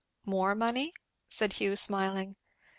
"More money?" said Hugh smiling.